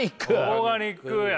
オーガニックや。